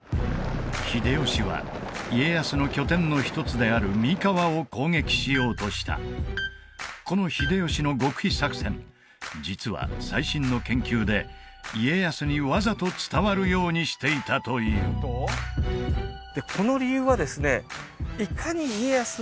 秀吉は家康の拠点の一つである三河を攻撃しようとしたこの秀吉の極秘作戦実は最新の研究で家康にわざと伝わるようにしていたというこの理由はですね